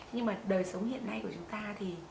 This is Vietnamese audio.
nhưng mà đời sống hiện nay của chúng ta thì